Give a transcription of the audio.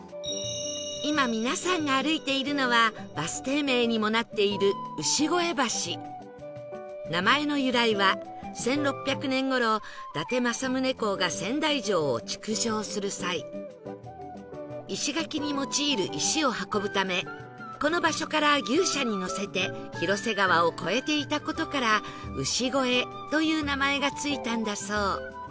今皆さんが歩いているのはバス停名にもなっている名前の由来は１６００年頃伊達政宗公が仙台城を築城する際石垣に用いる石を運ぶためこの場所から牛車に載せて広瀬川を越えていた事から「牛越」という名前が付いたんだそう